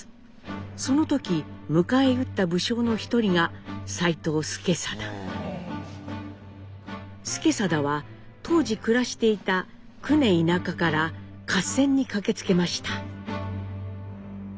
その時迎え撃った武将の一人が資定は当時暮らしていた久根田舎から合戦に駆けつけました。